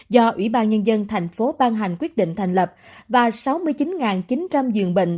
do ủy ban nhân dân thành phố ban hành quyết định thành lập và sáu mươi chín chín trăm linh giường bệnh